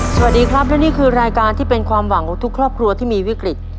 สวัสดีครับและนี่คือรายการที่เป็นความหวังของทุกครอบครัวที่มีวิกฤต